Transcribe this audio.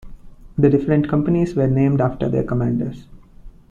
The different companies were named after their commanders.